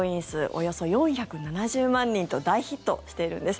およそ４７０万人と大ヒットしているんです。